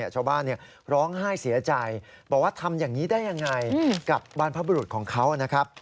ชาวบ้านร้องไห้เสียใจบอกว่าทำอย่างนี้ได้ยังไงกับบรรพบุรุษของเขานะครับ